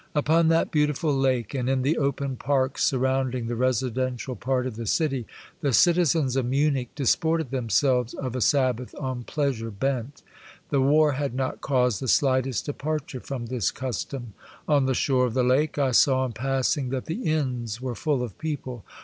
Upon that beautiful lake and in the open parks surrounding the residential part of the city, the citizens of Munich disported themselves of a Sab bath, on pleasure bent. The war had not caused the slightest departure from this custom. On the shore of the lake, I saw in passing that the Inns were full of people.